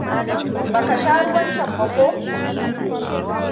Baka sha ruwan can ba, ko?